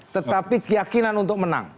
tetapi keyakinan untuk menang